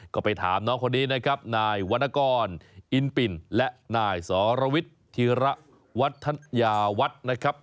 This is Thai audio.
ก็ไปถามน้องคนนี้นะครับนายวรรณกรอินปิ่นและนายสรวิทธิระวัฒยาวัฒน์นะครับ